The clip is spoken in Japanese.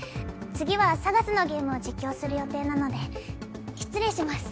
次はＳＡＧＡＳのゲームを実況する予定なので失礼します